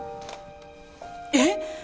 えっ？